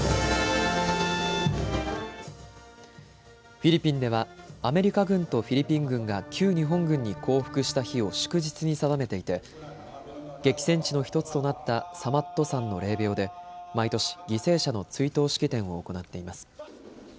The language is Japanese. フィリピンではアメリカ軍とフィリピン軍が旧日本軍に降伏した日を祝日に定めていて激戦地の１つとなったサマット山の霊びょうで毎年、犠牲者の追悼式典を行っています。